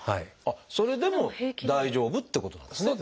それでも大丈夫ってことなんですね。